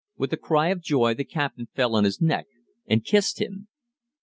With a cry of joy, the captain fell on his neck and kissed him.